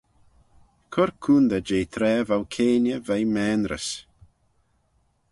Cur coontey jeh traa v'ou keayney veih maynrys.